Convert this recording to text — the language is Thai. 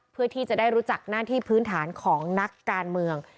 เพื่อที่จะได้รู้จักหน้าที่พื้นฐานของนักการเมือง